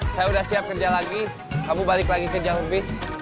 saya udah siap kerja lagi kamu balik lagi kerja unbis